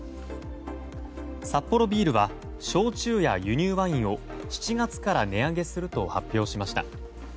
サッポロビールは焼酎や輸入ワインを７月から値上げすると発表しました。